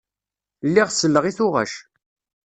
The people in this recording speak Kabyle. Lliɣ selleɣ i tuɣac.